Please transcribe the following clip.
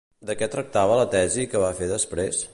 De què tractava la tesi que va fer després?